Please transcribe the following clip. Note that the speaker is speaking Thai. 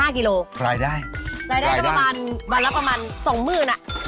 ๑๕กิโลกรัมรายได้รายได้ก็ประมาณวันละประมาณ๒๐๐๐๐บาท